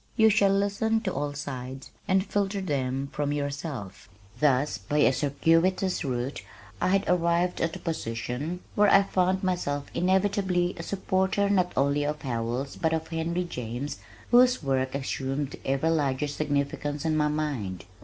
You shall listen to all sides, And filter them from yourself. Thus by a circuitous route I had arrived at a position where I found myself inevitably a supporter not only of Howells but of Henry James whose work assumed ever larger significance in my mind.